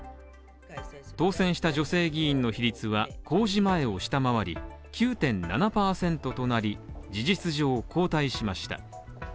当選した女性議員の比率は公示前を下回り、９．７％となり、事実上後退しました。